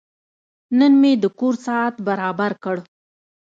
نن مې د کور ساعت برابر کړ.